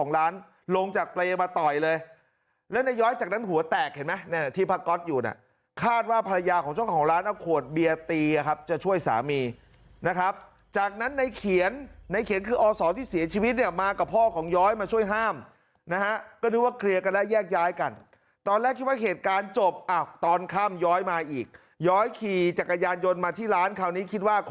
ตรงจากประเยงมาต่อยเลยแล้วในย้อยจากนั้นหัวแตกเห็นไหมที่พระก๊อตอยู่น่ะคาดว่าภรรยาของเจ้าของร้านเอาขวดเบียตีครับจะช่วยสามีนะครับจากนั้นในเขียนในเขียนคืออสอที่เสียชีวิตเนี่ยมากับพ่อของย้อยมาช่วยห้ามนะฮะก็นึกว่าเคลียร์กันแล้วแยกย้ายกันตอนแรกคิดว่าเหตุการณ์จบอ้าวตอนข้ามย้อยมา